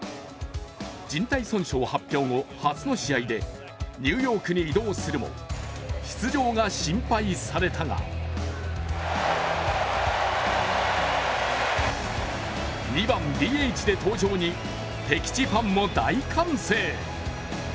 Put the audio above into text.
じん帯損傷発表後、初の試合でニューヨークに移動するも出場が心配されたが２番・ＤＨで登場に敵地ファンも大歓声。